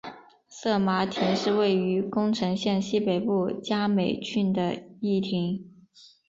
色麻町是位于宫城县西北部加美郡的一町。